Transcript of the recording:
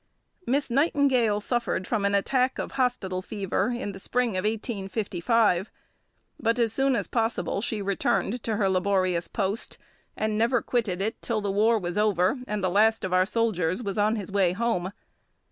Miss Nightingale suffered from an attack of hospital fever in the spring of 1855, but as soon as possible she returned to her laborious post, and never quitted it till the war was over and the last of our soldiers was on his way home.